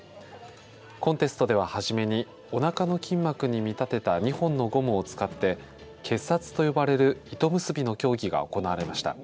コンテストでは始めにおなかの筋膜に見立てた２本のゴムを使って結紮と呼ばれる糸結びの競技が行われました。